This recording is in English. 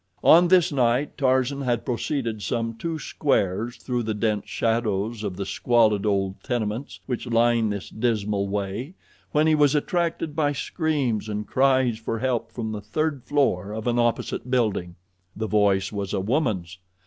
On this night Tarzan had proceeded some two squares through the dense shadows of the squalid old tenements which line this dismal way when he was attracted by screams and cries for help from the third floor of an opposite building. The voice was a woman's.